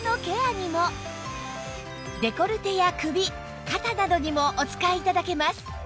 デコルテや首肩などにもお使い頂けます。